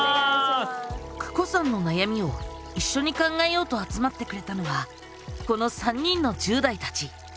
ＫＵＫＯさんの悩みを一緒に考えようと集まってくれたのはこの３人の１０代たち。